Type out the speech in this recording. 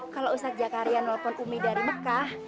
kalau ustadz jakaria nelfon umi dari mekah